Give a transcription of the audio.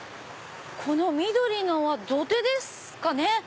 この緑のは土手ですかね。